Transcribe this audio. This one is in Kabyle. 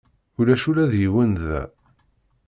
Ulac ula d yiwen da.